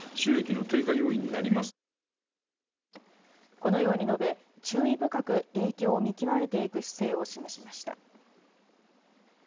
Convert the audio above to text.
このように述べ注意深く影響を見極めていく姿勢を示しました。